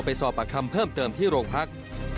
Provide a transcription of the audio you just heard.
สอบประคำเพิ่มเติมที่โรงพัก